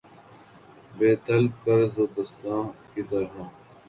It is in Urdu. بے طلب قرض دوستاں کی طرح